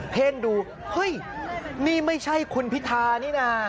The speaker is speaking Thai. เพ่งดูเฮ้ยนี่ไม่ใช่คุณพิธานี่นะ